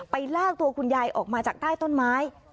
ลากตัวคุณยายออกมาจากใต้ต้นไม้